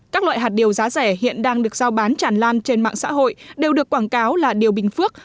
các loại hạt điều giá rẻ hiện đang được giao bán tràn lan trên mạng xã hội đều được quảng cáo là điều bình phước